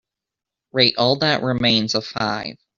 Rate All That Remains a five